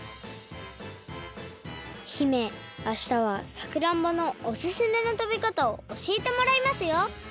姫あしたはさくらんぼのおすすめのたべかたをおしえてもらいますよ！